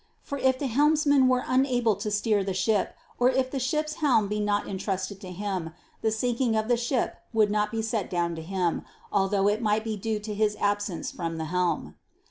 For if the helmsman were unable to steer the ship or if the ship's helm be not entrusted to him, the sinking of the ship would not be set down to him, although it might be due to his absence from the helm.